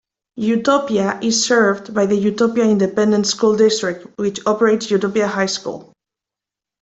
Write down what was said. Utopia is served by the Utopia Independent School District which operates Utopia High School.